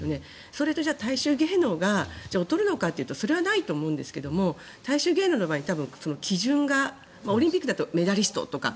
それと大衆芸能が劣るのかというとそれはないと思うんですけども大衆芸能の場合多分、基準がオリンピックだとメダリストとか